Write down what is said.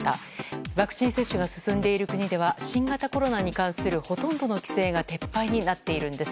ワクチン接種が進んでいる国では新型コロナに関するほとんどの規制が撤廃になっているんです。